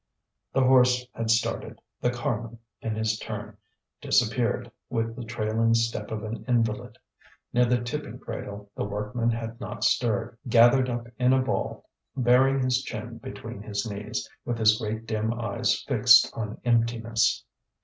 The horse had started; the carman, in his turn, disappeared, with the trailing step of an invalid. Near the tipping cradle the workman had not stirred, gathered up in a ball, burying his chin between his knees, with his great dim eyes fixed on emptiness.